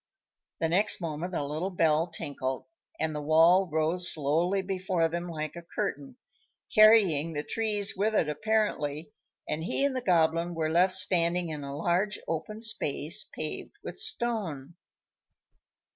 The next moment a little bell tinkled, and the wall rose slowly before them like a curtain, carrying the trees with it apparently, and he and the Goblin were left standing in a large open space paved with stone.